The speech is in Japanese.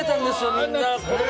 みんな。